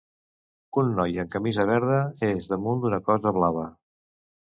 Un noi amb camisa verda és damunt d'una cosa blava.